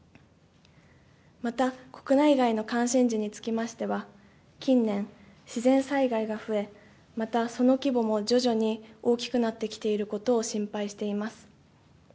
また、国内外の関心事につきましては、近年、自然災害が増え、また、その規模も徐々に大きくなってきていることを心配しています。